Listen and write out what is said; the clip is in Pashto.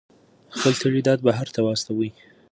خپل تولیدات بهر ته واستوئ.